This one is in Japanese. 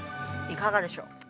いかがでしょう？